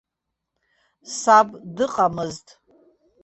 Саб дыҟамызт.